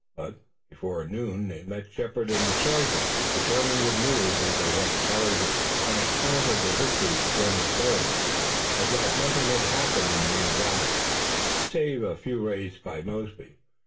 But before noon they met Shepard and the sergeant returning with news that they had carried an account of the victory to General Sheridan, but that nothing had happened in the main valley save a few raids by Mosby.